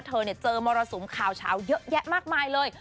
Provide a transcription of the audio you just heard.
เธอเจอมรสุมข่าวเช้าเยอะแยะมากมายเลย